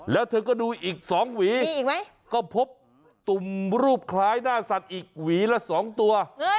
แล้วเธอก็ดูอีก๒หวีอีกไหมก็พบตุ่มรูปคล้ายหน้าสัตว์อีกหวีละ๒ตัว